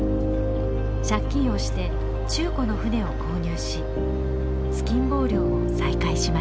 借金をして中古の船を購入し突きん棒漁を再開しました。